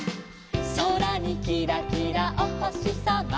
「そらにキラキラおほしさま」